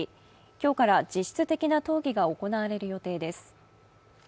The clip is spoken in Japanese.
今日から実質的な討議が行われる予定です。